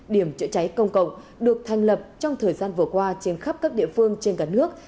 điểm chữa cháy công cộng được thành lập trong thời gian vừa qua trên khắp các địa phương trên cả nước